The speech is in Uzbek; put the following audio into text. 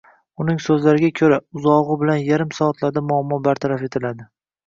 Uning soʻzlariga koʻra, uzogʻi bilan yarim soatlarda muammo bartaraf etiladi.